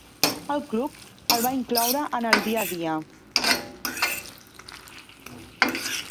El club el va incloure en el dia a dia.